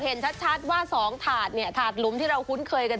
เห็นชัดว่า๒ถาดเนี่ยถาดหลุมที่เราคุ้นเคยกัน